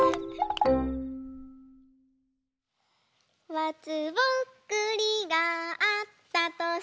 「まつぼっくりがあったとさ